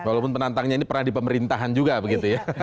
walaupun penantangnya ini pernah di pemerintahan juga begitu ya